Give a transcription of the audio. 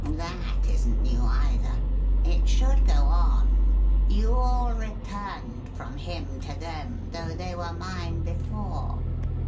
" That isn't new, either. It should go on :* You all returned from him to them, though they were mine before.'"